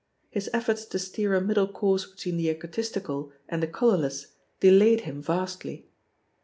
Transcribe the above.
His efforts to steer a middle course between the egotistical and the colourless delayed him vastly?